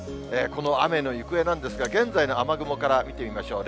この雨の行方なんですが、現在の雨雲から見てみましょう。